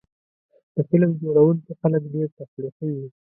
د فلم جوړوونکي خلک ډېر تخلیقي وي.